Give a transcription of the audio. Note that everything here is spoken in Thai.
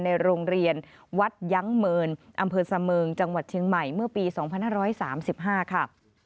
ในโรงเรียนวัดยั้งเมินอำเภอเสมิงจังหวัดเชียงใหม่เมื่อปี๒๕๓๕ค่ะ